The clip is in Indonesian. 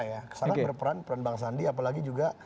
kesana berperan bang sandi apalagi juga